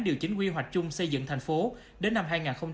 điều chính quy hoạch chung xây dựng thành phố đến năm hai nghìn ba mươi